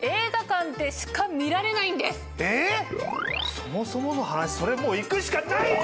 そもそもの話それもう行くしかないじゃん！